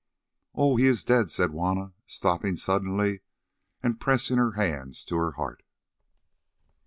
"Oh! he is dead!" said Juanna, stopping suddenly, and pressing her hands to her heart.